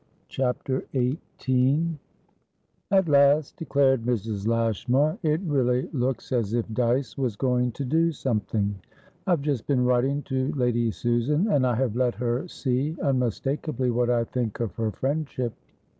CHAPTER XVIII "At last," declared Mrs. Lashmar, "it really looks as if Dyce was going to do something. I've just been writing to Lady Susan, and I have let her see unmistakably what I think of her friendship.